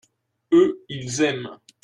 eux, ils aiment.